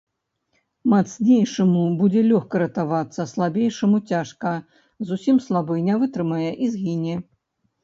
Мацнейшаму будзе лёгка ратавацца, слабейшаму цяжка, зусім слабы не вытрымае і згіне.